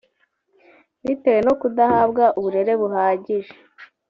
bitewe no kudahabwa uburere buhagije